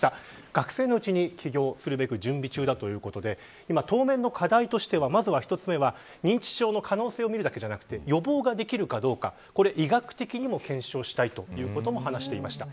学生のうちに起業すべく準備中ということで当面の課題として１つ目は認知症の可能性を見るだけじゃなくて予防ができるかどうか医学的にも検証したいということも話していました。